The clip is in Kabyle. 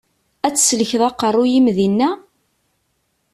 Ad tsellkeḍ aqeṛṛu-yim dinna?